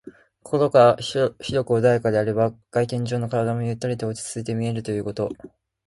心が広く穏やかであれば、外見上の体もゆったりと落ち着いて見えるということ。